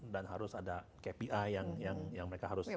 dan harus ada kpi yang mereka harus